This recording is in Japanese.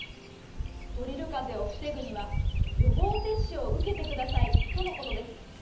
ドリルかぜをふせぐにはよぼうせっしゅをうけてくださいとのことです。